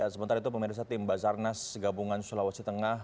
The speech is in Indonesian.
sementara itu pemerintah timbazarnas gabungan sulawesi tengah